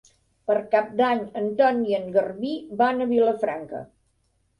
Per Cap d'Any en Ton i en Garbí van a Vilafranca.